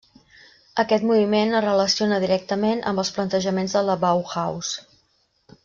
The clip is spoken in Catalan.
Aquest moviment es relaciona directament amb els plantejaments de la Bauhaus.